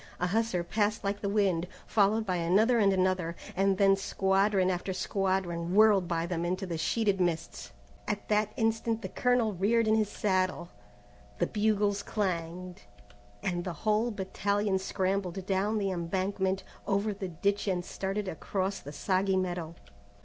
A hussar passed like the wind, followed by another and another, and then squadron after squadron whirled by them into the sheeted mists. At that instant the colonel reared in his saddle, the bugles clanged, and the whole battalion scrambled down the embankment, over the ditch and started across the soggy meadow.